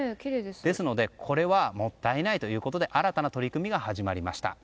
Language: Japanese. ですのでこれはもったいないということで新たな取り組みが始まりました。